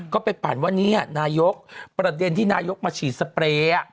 ก็ไปปั่นว่านี่นายกประเด็นที่นายกมาฉีดสเปรย์